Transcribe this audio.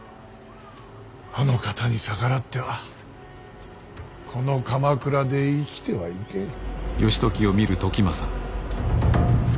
あの方に逆らってはこの鎌倉で生きてはいけん。